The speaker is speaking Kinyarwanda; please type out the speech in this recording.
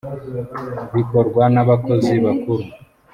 bikorwa n abakozi bakuru